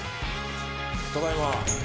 ただいま。